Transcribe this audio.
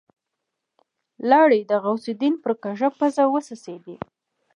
لاړې د غوث الدين پر کږه پزه وڅڅېدې.